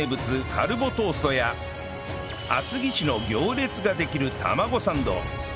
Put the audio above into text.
カルボトーストや厚木市の行列ができる玉子サンド